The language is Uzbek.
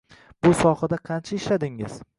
Bu sohada qancha ishladingiz?